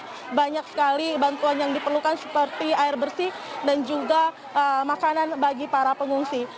jadi banyak sekali bantuan yang diperlukan seperti air bersih dan juga makanan bagi para pengungsi